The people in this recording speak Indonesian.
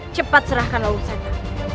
cepat serahkan lalu saya